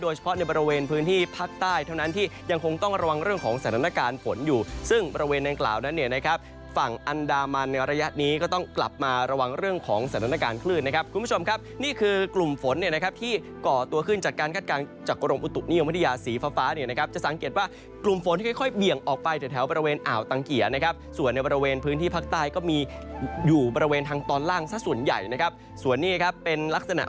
ยังคงต้องระวังเรื่องของสถานการณ์ฝนอยู่ซึ่งบริเวณในกล่าวนั้นฝั่งอันดามันในระยะนี้ก็ต้องกลับมาระวังเรื่องของสถานการณ์คลื่นนะครับคุณผู้ชมครับนี่คือกลุ่มฝนที่ก่อตัวขึ้นจากการคัดการณ์จากกระรมอุตถุนี้ของพัทยาศีฟ้าจะสังเกตว่ากลุ่มฝนที่ค่อยเบี่ยงออกไปแถวบริเวณอ